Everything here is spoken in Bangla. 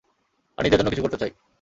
আর নিজের জন্য কিছু করতে চাই।